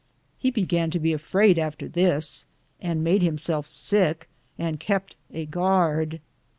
He began to be afraid again after this, and made himself sick, and kept a guard.